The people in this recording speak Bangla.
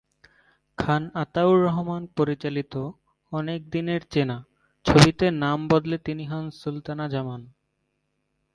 খান আতাউর রহমান পরিচালিত ‘অনেক দিনের চেনা’ ছবিতে নাম বদলে তিনি হন সুলতানা জামান।